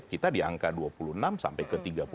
kita di angka dua puluh enam sampai ke tiga puluh tujuh